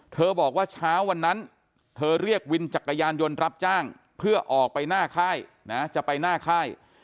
บอกว่าเช้าวันนั้นเธอเรียกวินจักรยานยนต์รับจ้างเพื่อออกไปหน้าค่ายนะจะไปหน้าค่าย